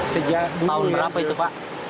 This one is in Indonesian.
sejak tahun berapa itu pak